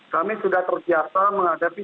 kami sudah terbiasa menghadapi